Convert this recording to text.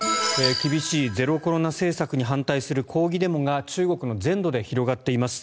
厳しいゼロコロナ政策に反対する抗議デモが中国の全土で広がっています。